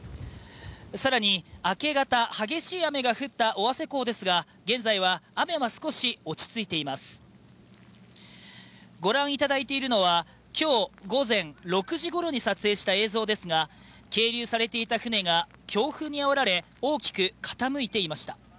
さらに明け方激しい雨が降った尾鷲港ですが現在は雨は少し落ち着いていますご覧いただいているのはきょう午前６時ごろに撮影した映像ですが係留されていた船が強風にあおられ大きく傾いていました